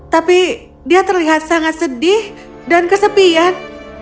tapi dia terlihat sangat sedih dan kesepian